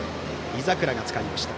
井櫻がつかみました。